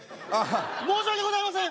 申し訳ございません！